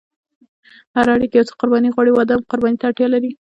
هره اړیکه یو څه قرباني غواړي، واده هم قرباني ته اړتیا لري.